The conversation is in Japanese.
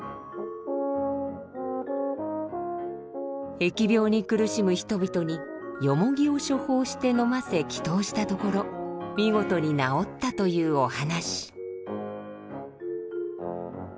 疫病に苦しむ人々にヨモギを処方して飲ませ祈祷したところ見事に治ったというお話。